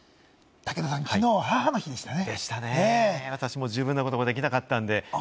武田さん、昨日は母の日でしたね。